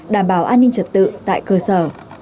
đảm bảo an ninh trật tự tại cơ sở